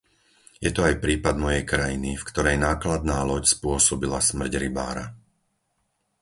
Je to aj prípad mojej krajiny, v ktorej nákladná loď spôsobila smrť rybára.